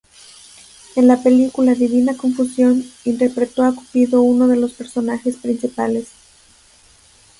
En la película "Divina confusión", interpretó a Cupido, uno de los personajes principales.